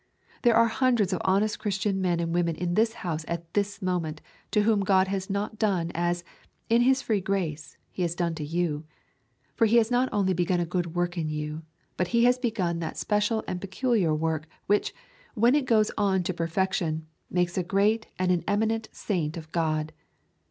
There are hundreds of honest Christian men and women in this house at this moment to whom God has not done as, in His free grace, He has done to you. For He has not only begun a good work in you, but He has begun that special and peculiar work which, when it goes on to perfection, makes a great and an eminent saint of God.